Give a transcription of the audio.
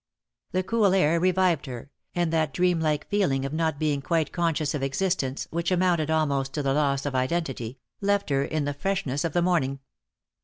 The cool air revived her, and that dream like feeling of not being quite conscious of existence, which amounted almost to the loss of identity, left her in the fresh ness of the morning.